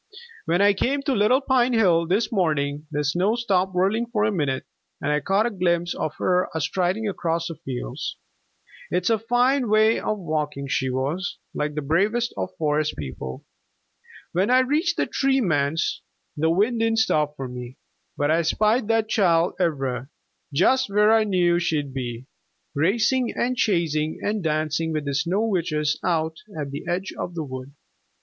When I came to Little Pine Hill this morning the snow stopped whirling for a minute, and I caught a glimpse of her a striding across the fields. It's a fine way of walking she has like the bravest of Forest People! When I reached the Tree Man's the wind didn't stop for me, but I spied that child, Ivra, just where I knew she'd be, racing and chasing and dancing with the Snow Witches out at the edge of the wood.